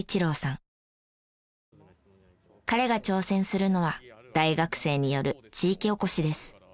彼が挑戦するのは大学生による地域おこしです。